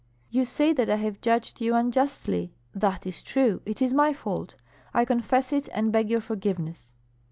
"You say that I have judged you unjustly; that is true. It is my fault; I confess it and beg your forgiveness."